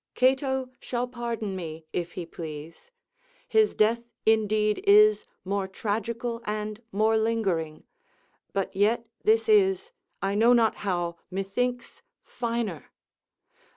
Cato shall pardon me, if he please; his death indeed is more tragical and more lingering; but yet this is, I know not how, methinks, finer.